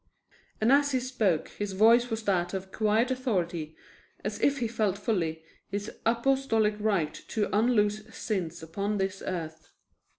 And as he spoke his voice was that of quiet authority as if he felt fully his apostolic right to unloose sins upon this earth.